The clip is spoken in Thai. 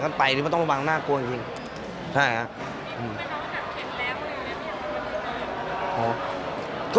ไปนี่มันต้องระวังน่ากลัวจริงจริงใช่ครับ